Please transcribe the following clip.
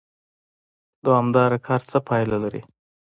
دوامدار کار څه پایله لري؟